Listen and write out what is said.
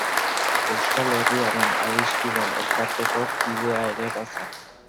Euskal Herriaren Adiskideen Elkarteko kidea ere bazen.